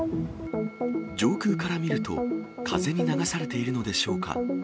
上空から見ると、風に流されているのでしょうか。